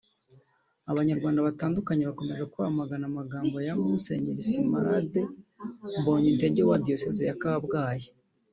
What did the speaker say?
Abanyarwanda batandukante bakomeje kwamagana amagambo ya Musenyeri Smaragde Mbonyintege wa Diyoseze ya Kabgayi